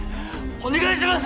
お願いします！